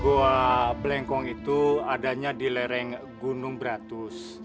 gua belengkong itu adanya di lereng gunung beratus